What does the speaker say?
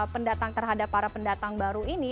pendatang terhadap para pendatang baru ini